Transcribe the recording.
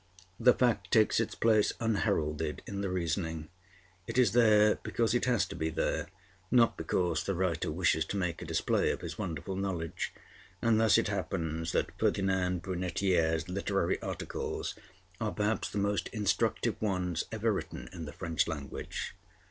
The fact takes its place unheralded in the reasoning. It is there because it has to be there, not because the writer wishes to make a display of his wonderful knowledge; and thus it happens that Ferdinand Brunetière's literary articles are perhaps the most instructive ones ever written in the French language.